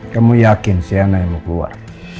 kamu yakin sienna yang mau keluar